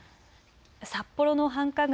札幌の繁華街